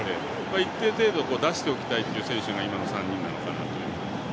一定程度、出しておきたい選手が今の３人なのかなと。